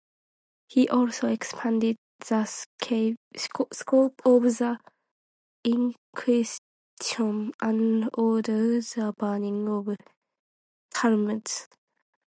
He also expanded the scope of the Inquisition and ordered the burning of Talmuds.